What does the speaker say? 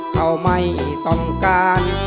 เขาไม่ต้องการ